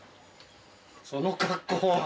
その格好は？